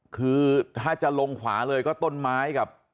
คือถ้าจะลงขวาเลยก็ต้นไม้กับ